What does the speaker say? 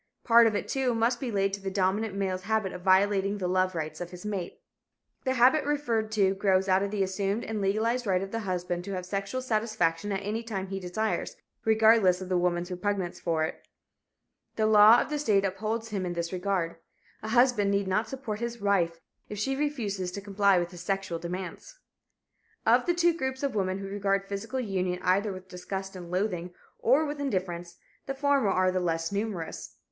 Part of it, too, must be laid to the dominant male's habit of violating the love rights of his mate. The habit referred to grows out of the assumed and legalized right of the husband to have sexual satisfaction at any time he desires, regardless of the woman's repugnance for it. The law of the state upholds him in this regard. A husband need not support his wife if she refuses to comply with his sexual demands. Of the two groups of women who regard physical union either with disgust and loathing, or with indifference, the former are the less numerous.